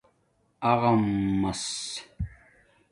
اغݳمس